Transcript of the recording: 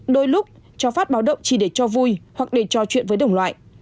đôi lúc cho phát báo động chỉ để cho vui hoặc để trò chuyện với đồng loại